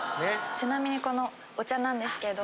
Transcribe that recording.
ちなみにこのお茶なんですけど。